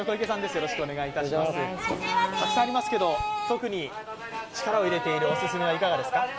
たくさんありますけど特に力を入れているおすすめはいかがですか？